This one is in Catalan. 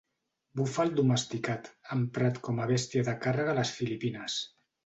Búfal domesticat, emprat com a bèstia de càrrega a les Filipines.